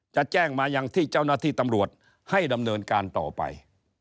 จะแจ้งมายังที่เจ้าหน้าที่ตำรวจให้ดำเนินการต่อไป